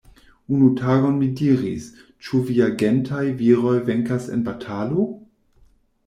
Unu tagon mi diris, Ĉu viagentaj viroj venkas en batalo?